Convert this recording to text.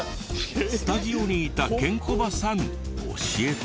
スタジオにいたケンコバさん教えて。